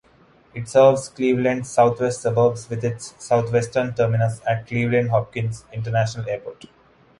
It serves Cleveland's southwest suburbs with its southwestern terminus at Cleveland Hopkins International Airport.